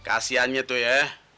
kasihan itu ya